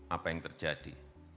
apa yang terjadi